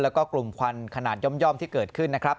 แล้วก็กลุ่มควันขนาดย่อมที่เกิดขึ้นนะครับ